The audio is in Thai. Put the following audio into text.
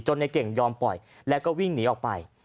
ในเก่งยอมปล่อยแล้วก็วิ่งหนีออกไป